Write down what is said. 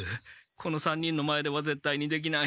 この３人の前ではぜったいにできない。